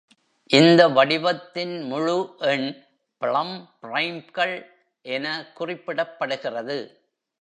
இந்த வடிவத்தின் முழு எண் ப்ளம் ப்ரைம்கள் என குறிப்பிடப்படுகிறது.